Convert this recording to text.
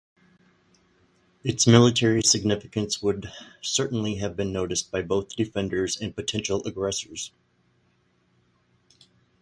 Its military significance would certainly have been noticed by both defenders and potential aggressors.